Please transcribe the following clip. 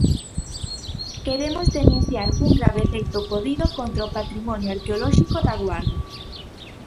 Queremos denunciar un grave feito ocorrido contra o patrimonio arqueolóxico da Guarda.